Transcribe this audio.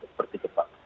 seperti itu pak